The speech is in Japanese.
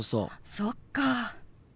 そっかあ。